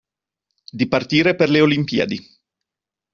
Di partire per le Olimpiadi.